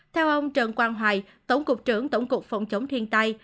theo ông trần quang hoài tổng cục trưởng tổng cục phòng chống thiên tai